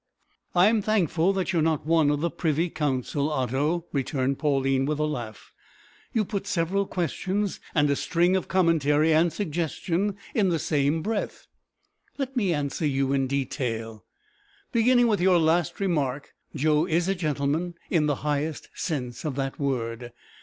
"I'm thankful that you are not one of the Privy Council, Otto," returned Pauline, with a laugh. "You put several questions, and a string of commentary and suggestion in the same breath! Let me answer you in detail, beginning with your last remark. Joe is a gentleman in the highest sense of that word.